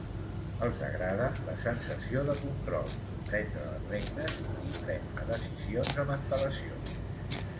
Els agrada la sensació de control, prendre les regnes, i prendre decisions amb antelació.